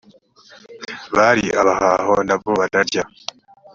bari abahaho na bo bararya